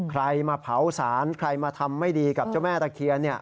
ใครมาเผาสารใครมาทำไม่ดีกับเจ้าแม่ตะเคียน